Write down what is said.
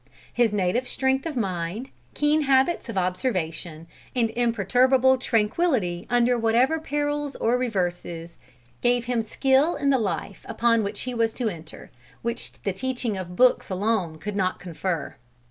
His native strength of mind, keen habits of observation, and imperturbable tranquility under whatever perils or reverses, gave him skill in the life upon which he was to enter, which the teachings of books alone could not confer.